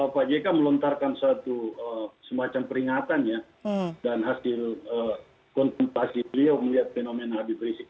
pak jk melontarkan semacam peringatan dan hasil kontentasi beliau melihat fenomena habib rizik